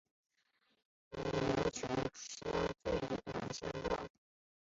为琉球乡最短乡道。